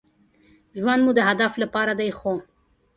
ژوند مو د هدف لپاره دی ،خو